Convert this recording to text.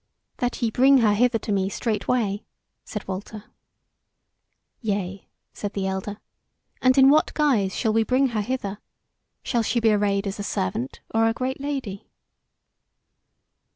"That ye bring her hither to me straightway," said Walter. "Yea," said the elder; "and in what guise shall we bring her hither? shall she be arrayed as a servant, or a great lady?"